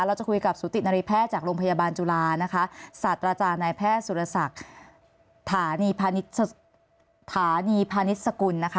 เราจะคุยกับสุตินารีแพทย์จากโรงพยาบาลจุฬานะคะศาสตราจารย์นายแพทย์สุรศักดิ์ฐานีพาณิชย์สกุลนะคะ